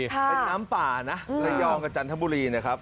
เป็นน้ำป่านะระยองกับจันทบุรีนะครับ